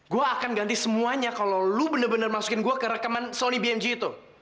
gue akan ganti semuanya kalau lo benar benar masukin gue ke rekaman sony bmg itu